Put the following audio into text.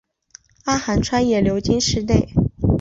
阿寒川也流经市内。